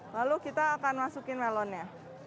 lalu kita akan masukin melonnya